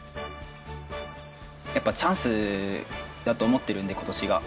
やっぱチャンスだと思ってるんで、ことしが。